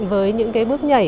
với những bước nhảy